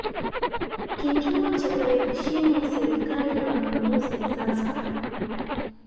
Kituo cha Televisheni ya Serikali ya Mapinduzi ya Zanzibar